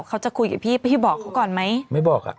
เขาจะคุยกับพี่พี่บอกเขาก่อนไหมไม่บอกอ่ะ